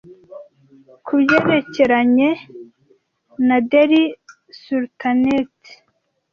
Kubyerekeranye na Delhi Sultanate,